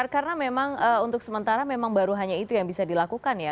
karena memang untuk sementara baru hanya itu yang bisa dilakukan ya